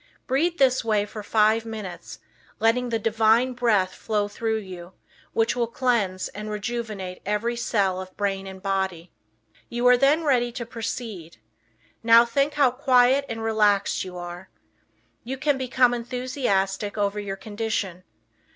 Breathe this way for five minutes, letting the Divine Breath flow through you, which will cleanse and rejuvenate every cell of brain and body. You are then ready to proceed. Now think how quiet and relaxed you are. You can become enthusiastic over your condition.